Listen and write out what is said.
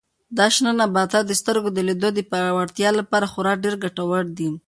دا شنه نباتات د سترګو د لید د پیاوړتیا لپاره خورا ډېر ګټور دي.